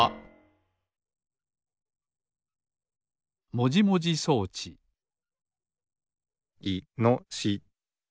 もじもじ装置いのし。